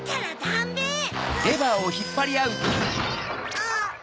あっ！